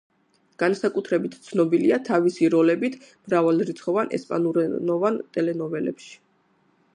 განსაკუთრებით ცნობილია თავისი როლებით მრავალრიცხოვან ესპანურენოვან ტელენოველებში.